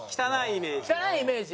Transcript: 汚いイメージ？